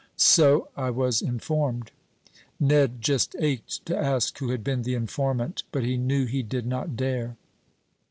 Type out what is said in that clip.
"So I was informed." Ned just ached to ask who had been the informant, but he knew he did not dare.